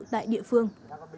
tại địa phương